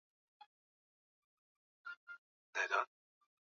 Wilaya yote ya Serengeti na kuishia Mashariki ya Wilaya ya Musoma